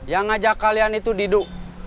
yang ngajak kalian itu duduk